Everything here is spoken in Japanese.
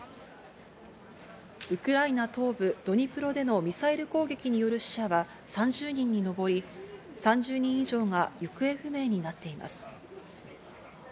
ウクライナ東部ドニプロでのミサイル攻撃による死者は３０人に上り、３０人以上が行方不明になっています。